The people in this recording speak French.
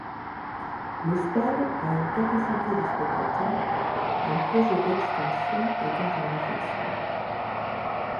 Le stade a une capacité de spectateurs, un projet d'extension étant en réflexion.